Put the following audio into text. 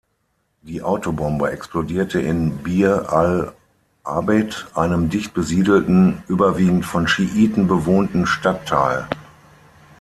Die Autobombe explodierte in Bir al-Abed, einem dichtbesiedelten, überwiegend von Schiiten bewohnten Stadtteil.